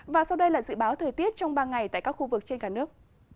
và sau đây là dự báo thời tiết trong ba ngày tại các khu vực trên cả nước